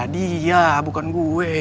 dia bukan gue